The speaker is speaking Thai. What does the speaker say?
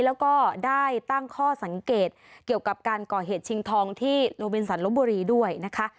แล้วก็ได้ตั้งข้อสังเกตเกี่ยวกับการก่อเหตุชิงทองที่โลบินสันลบบุรีด้วยนะคะ